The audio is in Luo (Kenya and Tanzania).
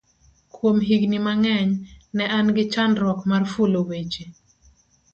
kuom higni mang'eny ne an gi chandruok mar fulo weche